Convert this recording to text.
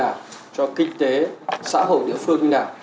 đóng góp cho kinh tế như thế nào cho kinh tế xã hội địa phương như thế nào